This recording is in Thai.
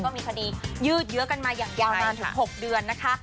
มีคดียืดเยอะกันมาอย่างยาวนาน๖เดือน